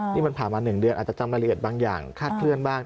นี่มันผ่านมา๑เดือนอาจจะจำรายละเอียดบางอย่างคาดเคลื่อนบ้าง